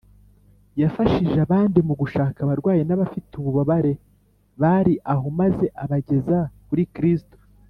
yafashije abandi mu gushaka abarwayi n’abafite ububabare bari aho maze abageza kuri kristo